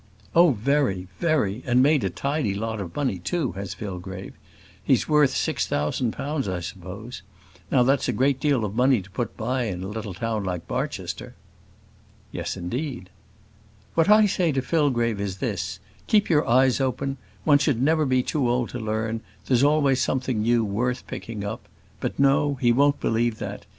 "Oh, very very; and made a tidy lot of money too, has Fillgrave. He's worth six thousand pounds, I suppose; now that's a good deal of money to put by in a little town like Barchester." "Yes, indeed." "What I say to Fillgrave is this keep your eyes open; one should never be too old to learn there's always something new worth picking up. But, no he won't believe that.